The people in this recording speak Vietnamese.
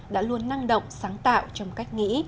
đã luôn năng động sáng tạo trong cách nghĩ